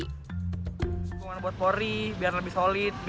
dukungan buat polri biar lebih solid